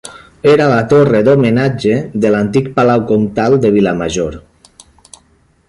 Era la torre d'homenatge de l'antic palau comtal de Vilamajor.